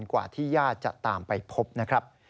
กว่าที่ญาติจะตามไปพบนะครับ